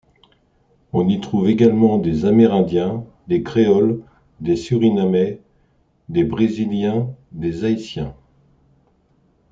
On y trouve également des Amérindiens, des Créoles, des Surinamais, des Brésiliens, des Haïtiens.